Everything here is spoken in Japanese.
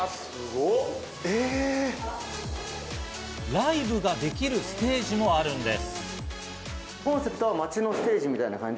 ライブができるステージもあるんです。